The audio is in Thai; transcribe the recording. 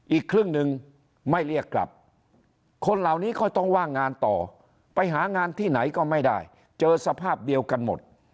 อีกครึ่งหนึ่งไม่เรียกกลับคนเหล่านี้ก็ต้องว่างงานต่อไปหางานที่ไหนก็ไม่ได้เจอสภาพเดียวกันหมด